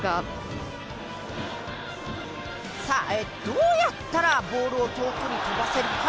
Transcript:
どうやったらボールを遠くに飛ばせますか？